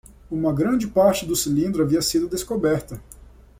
Uma grande parte do cilindro havia sido descoberta.